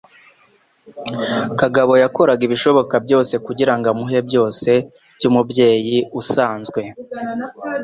Kagabo yakoraga ibishoboka byose kugirango amuhe byose byumubyeyi usanzwe.